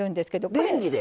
レンジで。